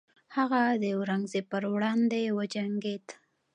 هغه د اورنګزیب پر وړاندې وجنګید.